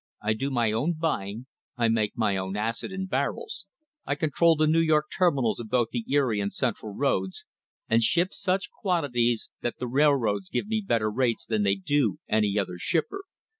I do my own buying, I make my own acid and barrels, I control the New York terminals both the Erie and Central roads, and ship such quantities that the railroads give me better rates than they do any other, shipper.